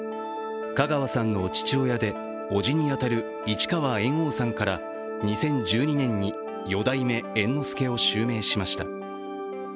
香川さんの父親でおじに当たる市川猿翁さんから２０１２年に四代目猿之助を襲名しました。